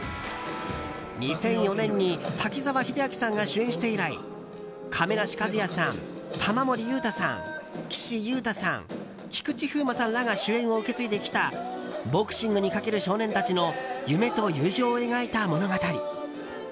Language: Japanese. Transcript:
２００４年に滝沢秀明さんが主演して以来亀梨和也さん、玉森裕太さん岸優太さん、菊池風磨さんらが主演を受け継いできたボクシングにかける少年たちの夢と友情を描いた物語。